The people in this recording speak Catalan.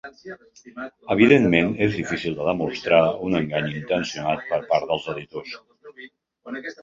Evidentment, és difícil de demostrar un engany intencionat per part dels editors.